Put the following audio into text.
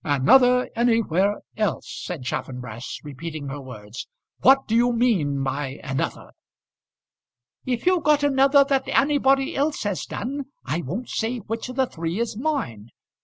"Another anywhere else," said Chaffanbrass, repeating her words; "what do you mean by another?" "If you've got another that anybody else has done, I won't say which of the three is mine.